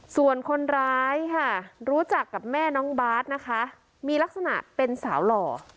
ส่วนคนร้ายค่ะรู้จักกับแม่น้องบาทนะคะมีลักษณะเป็นสาวหล่อ